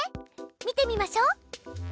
見てみましょう。